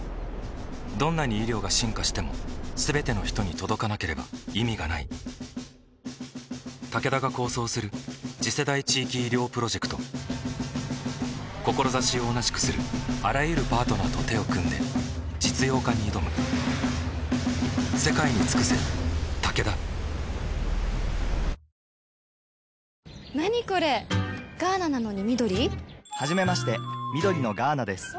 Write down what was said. どんなに医療が進化しても全ての人に届かなければ意味がないタケダが構想する次世代地域医療プロジェクト志を同じくするあらゆるパートナーと手を組んで実用化に挑む洗剤で驚くことなんて